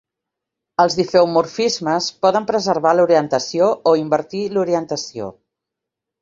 Els difeomorfismes poden preservar l'orientació o invertir l'orientació.